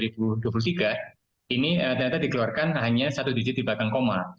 ini data dikeluarkan hanya satu digit di belakang koma